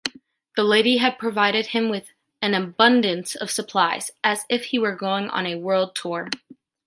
The lady had provided him with an abundance of supplies, as if he were going on a world tour.